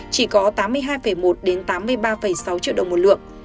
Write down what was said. chỉ có tám mươi hai một đến tám mươi ba sáu triệu đồng một lượng